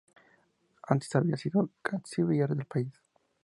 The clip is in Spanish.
Antes había sido canciller del país.